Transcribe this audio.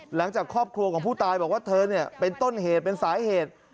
หลังจากครอบครัวของผู้ตายบอกว่าเธอเนี่ยเป็นต้นเหตุเป็นสาเหตุ